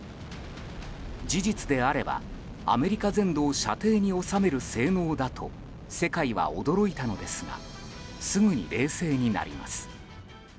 事実であればアメリカ全土を射程に収める性能だと世界は驚いたのですがすぐに冷静になります。